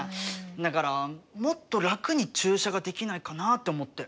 だからもっと楽に駐車ができないかなあって思って。